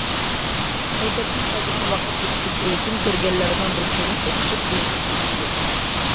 مەكتەپتىن قايتىدىغان ۋاقىت ئۆتۈپ كەتكەنلىكتىن، كۆرگەنلەرنىڭ بىرسىدىن ئۇقۇشۇپ ئىزدەپ كەلگەن گەپ.